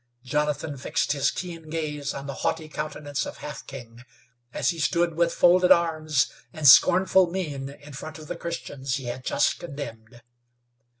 Jonathan fixed his keen gaze on the haughty countenance of Half King as he stood with folded arms and scornful mien in front of the Christians he had just condemned.